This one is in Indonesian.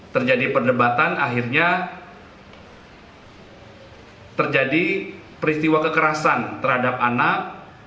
terjadi perdebatan akhirnya terjadi peristiwa kekerasan terhadap anak